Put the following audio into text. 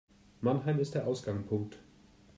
Mannheim ist der Ausgangpunkt